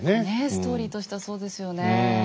ストーリーとしてはそうですよね。